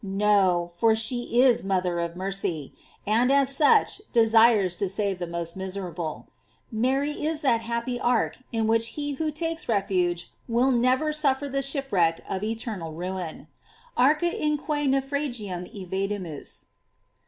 No, for she is mother of mercy; and as such, desires to save the most miserable. Mary is that happy ark in which he who takes refuge will never suffer the shipwreck of eternal ruin ; "area in qua naufragium evadimus."